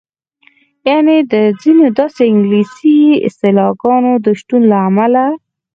یعنې د ځینو داسې انګلیسي اصطلاحګانو د شتون له امله.